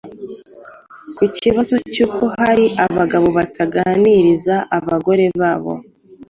Ku kibazo cy’uko hari abagabo bataganiriza abagore babo